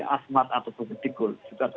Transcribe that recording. asmat atau bumtgul